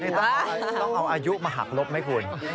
ต้องเอาอายุมาหักลบไหมคุณ